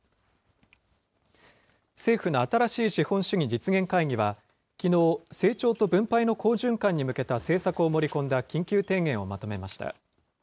政府の新しい資本主義実現会議は、きのう、成長と分配の好循環に向けた政策を盛り込んだ緊急提言をまとめました。